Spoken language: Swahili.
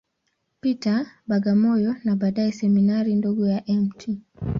Peter, Bagamoyo, na baadaye Seminari ndogo ya Mt.